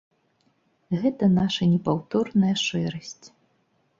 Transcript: Гэта наша непаўторная шэрасць.